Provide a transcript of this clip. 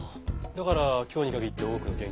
だから今日に限って多くの現金が？